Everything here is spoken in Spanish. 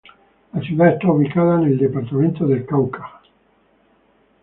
La ciudad está ubicada en el departamento del Cauca.